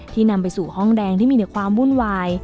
นำไปสู่ห้องแดงที่มีในความวุ่นวาย